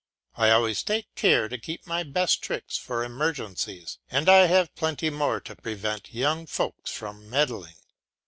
I always take care to keep my best tricks for emergencies; and I have plenty more to prevent young folks from meddling.